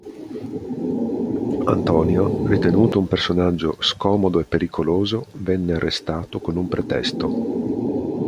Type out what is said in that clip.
Antonio, ritenuto un personaggio scomodo e pericoloso, venne arrestato con un pretesto.